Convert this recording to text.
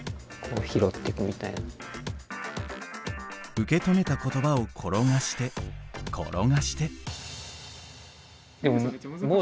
受け止めた言葉を転がして転がして。